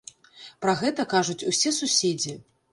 Пра гэта кажуць усе суседзі.